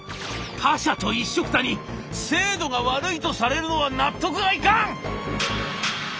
「他社と一緒くたに精度が悪いとされるのは納得がいかん！」。